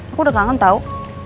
aku udah kangen tau